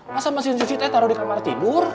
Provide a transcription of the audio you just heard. masa mesin cuci teh taruh di kamar tidur